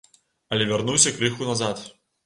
Але вярнуся крыху назад.